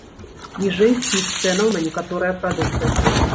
Ніжэй спіс цэнаў на некаторыя прадукты.